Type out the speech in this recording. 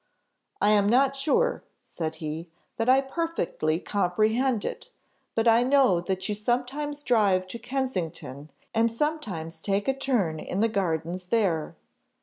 'I am not sure,' said he, 'that I perfectly comprehend it. But I know that you sometimes drive to Kensington, and sometimes take a turn in the gardens there.